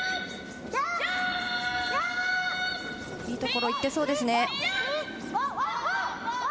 いいところいってそうですね。